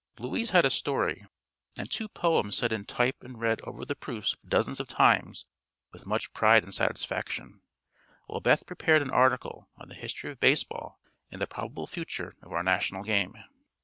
Louise had a story and two poems set in type and read over the proofs dozens of times with much pride and satisfaction, while Beth prepared an article on the history of baseball and the probable future of our national game.